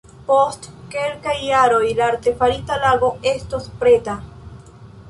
Post kelkaj jaroj la artefarita lago estos preta.